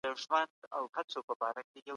مشرک ته هم په اسلام کي امان ورکول کيږي.